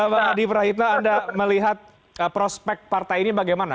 pak adi prahitna anda melihat prospek partai ini bagaimana